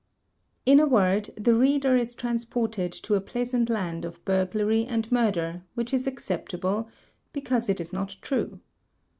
In a word, the reader is transported to a pleasant land of burglary and murder, which is acceptable — because it is not true.